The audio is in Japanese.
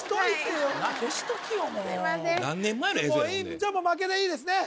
じゃあもう負けでいいですね？